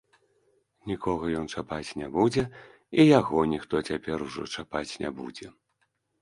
Нікога ён чапаць не будзе, і яго ніхто цяпер ужо чапаць не будзе.